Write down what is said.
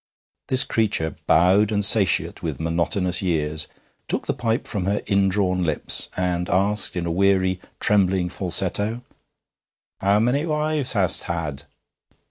This creature, bowed and satiate with monotonous years, took the pipe from her indrawn lips, and asked in a weary, trembling falsetto: 'How many wives hast had?'